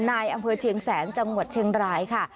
ในอำเภอเชียงแสนจังหวัดเชียงรายค่ะ